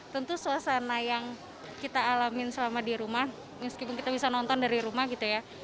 tentu suasana yang kita alamin selama di rumah meskipun kita bisa nonton dari rumah gitu ya